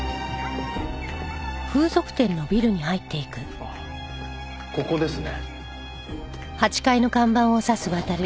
ああここですね。